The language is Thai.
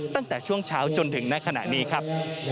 ตั้งแต่ช่วงเช้าจนถึงในขณะนี้ครับ